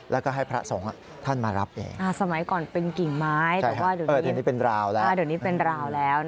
แล้วก็ให้พระสองท่านมารับเองสมัยก่อนเป็นกิ่งไม้แต่ว่าเดี๋ยวนี้เป็นราวแล้ว